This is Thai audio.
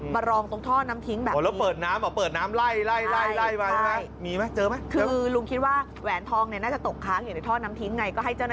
มารองตรงท่อน้ำทิ้งแบบนี้แล้วเปิดน้ำเหรอเปิดน้ำไล่มาใช่ไหม